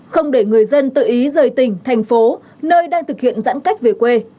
không để người dân tự ý rời tỉnh thành phố nơi đang thực hiện giãn cách về quê